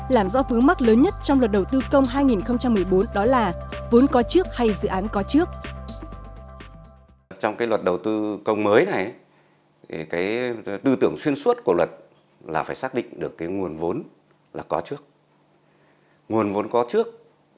làm rõ phứ mắc lớn nhất trong luật đầu tư công hai nghìn một mươi bốn đó là vốn có trước hay dự án có trước